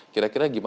kira kira gimana pak